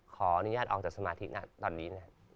ขออนุญาตออกจากสมาธิตอนนี้นะ